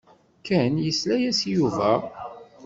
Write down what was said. Ken yesla-as i Yuba.